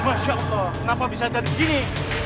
masya allah kenapa bisa jadi gini